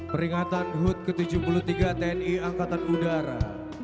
peringatan hud ke tujuh puluh tiga tni angkatan udara